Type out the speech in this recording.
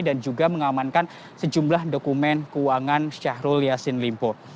dan juga mengamankan sejumlah dokumen keuangan syahrul yasin limpo